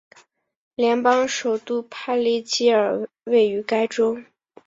联邦首都帕利基尔位于该州。